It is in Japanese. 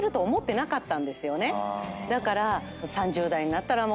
だから。